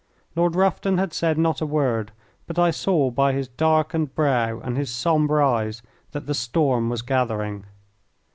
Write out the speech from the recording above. Lord Rufton had said not a word, but I saw by his darkened brow and his sombre eyes that the storm was gathering.